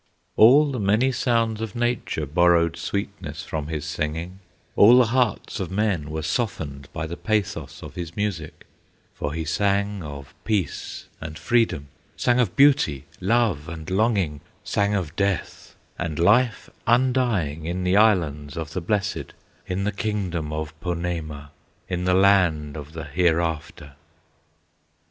All the many sounds of nature Borrowed sweetness from his singing; All the hearts of men were softened By the pathos of his music; For he sang of peace and freedom, Sang of beauty, love, and longing; Sang of death, and life undying In the Islands of the Blessed, In the kingdom of Ponemah, In the land of the Hereafter.